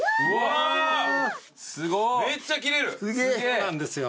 そうなんですよ。